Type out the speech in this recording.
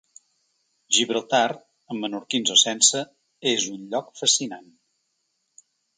Gibraltar, amb menorquins o sense, és un lloc fascinant.